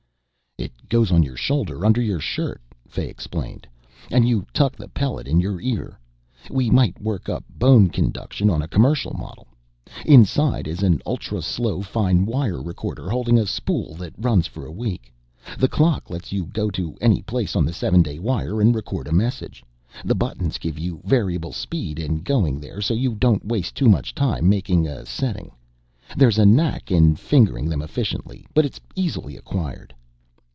"It goes on your shoulder under your shirt," Fay explained, "and you tuck the pellet in your ear. We might work up bone conduction on a commercial model. Inside is an ultra slow fine wire recorder holding a spool that runs for a week. The clock lets you go to any place on the 7 day wire and record a message. The buttons give you variable speed in going there, so you don't waste too much time making a setting. There's a knack in fingering them efficiently, but it's easily acquired."